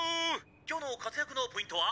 「今日の活躍のポイントは？」